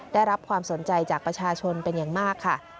ได้รับความสนใจจากประชาชนเป็นอย่างมากค่ะ